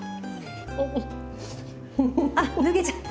あっ脱げちゃう！